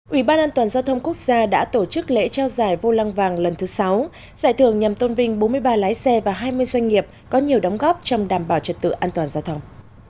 ủy ban an toàn giao thông quốc gia đã tổ chức lễ trao giải vô lăng vàng lần thứ sáu giải thưởng nhằm tôn vinh bốn mươi ba lái xe và hai mươi doanh nghiệp có nhiều đóng góp trong đảm bảo trật tự an toàn giao thông